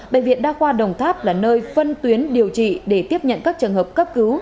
bệnh viện đa khoa đồng tháp là nơi phân tuyến điều trị để tiếp nhận các trường hợp cấp cứu